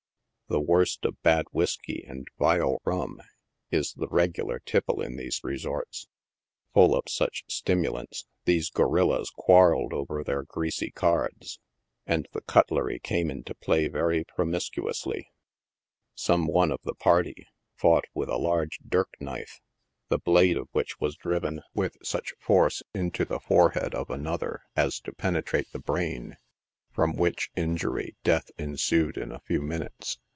The worst of bad whiskey and vile rum is the regular tipple in these resorts. Full of such stimu lants, these gorillas quarrelled over their greasv cards, and the " cutlery" came into play very promiscuously. Some one of the party fought with a large dirk knife, the blade of which was driven 44 NIGHT SIDE OF NEW YORK. with such force into the forehead of another as to penetrate the brain, from which injury death ensued in a few minutes.